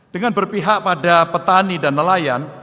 dengan berpihak pada petani dan nelayan